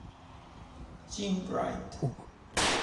Jim Wright